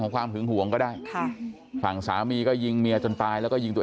ความหึงห่วงก็ได้ค่ะฝั่งสามีก็ยิงเมียจนตายแล้วก็ยิงตัว